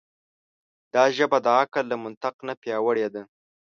دا ژبه د عقل له منطق نه پیاوړې ده.